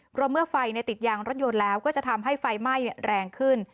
เพราะเมื่อไฟติดยางรถยนต์แล้วก็จะทำให้ไฟไหม้แรงขึ้น